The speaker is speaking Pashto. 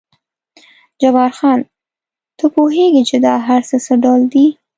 جبار خان، ته پوهېږې چې دا هر څه څه ډول دي؟